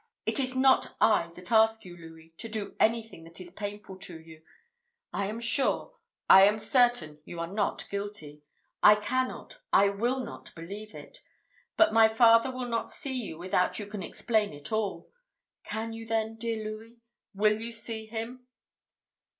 It is not I that ask you, Louis, to do anything that is painful to you. I am sure I am certain, you are not guilty. I cannot I will not believe it. But my father will not see you without you can explain it all. Can you then, dear Louis will you see him?"